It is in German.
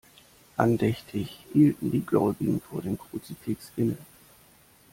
Andächtig hielten die Gläubigen vor dem Kruzifix inne.